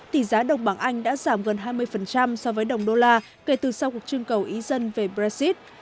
tỷ giá đồng bảng anh đã giảm gần hai mươi so với đồng đô la kể từ sau cuộc trưng cầu ý dân về brexit